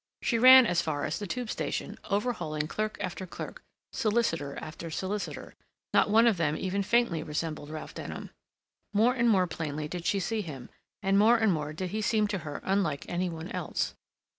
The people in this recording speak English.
She ran as far as the Tube station, overhauling clerk after clerk, solicitor after solicitor. Not one of them even faintly resembled Ralph Denham. More and more plainly did she see him; and more and more did he seem to her unlike any one else.